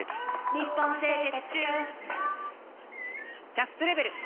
「日本製鉄中！」